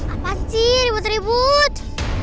apa sih ribut ribut